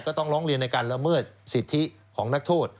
ต้องร้องเรียนในการละเมิดสิทธิของนักโทษ